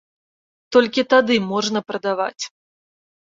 Толькі тады можна прадаваць.